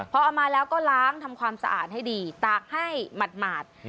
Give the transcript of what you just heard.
พอเอามาแล้วก็ล้างทำความสะอาดให้ดีตากให้หมาด